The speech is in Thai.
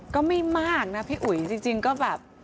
ก็ไม่มากนะพี่อุ๋ยจริงก็แบบ